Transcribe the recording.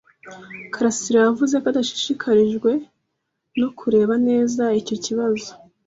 karasira yavuze ko adashishikajwe no kureba neza icyo kibazo.